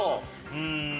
うん。